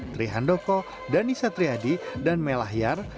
trihan doko danisa trihadi dan melah yar